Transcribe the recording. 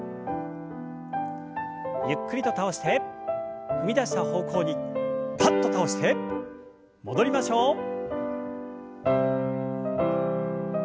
ゆっくりと倒して踏み出した方向にパッと倒して戻りましょう。